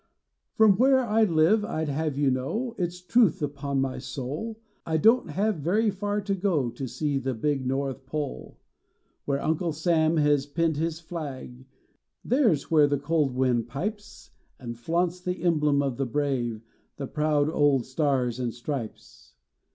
From where I live I d have you know. It s truth upon my soul, I don t have very far to go To see the big North Pole, COMIW CHRISTMAS MORN 173 Where Uncle Sam has pinned his flag, There s where the cold wind pipes, And flaunts the emblem of the brave, The proud old stars and stripes.